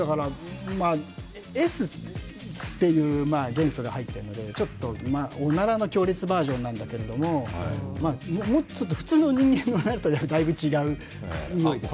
Ｓっていう元素が入ってるのでおならの強烈バージョンなんだけれども、普通の人間になると、だいぶ違うにおいですね。